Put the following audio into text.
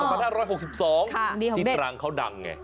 ที่ตรังเขาดังไง